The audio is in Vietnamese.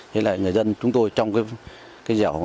thế là người dân chúng tôi trong cái dẻo